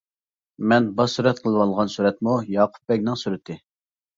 مەن باش سۈرەت قىلىۋالغان سۈرەتمۇ ياقۇپبەگنىڭ سۈرىتى.